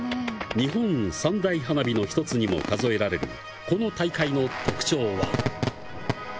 日本三大花火の１つにも数えられる、この大会の特徴は。